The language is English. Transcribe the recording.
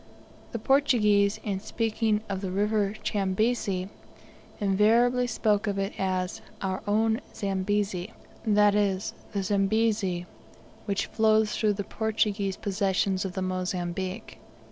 The Portuguese, in speaking of the River Chambezi, invariably spoke of it as "our own Zambezi," that is, the Zambezi which flows through the Portuguese possessions of the Mozambique.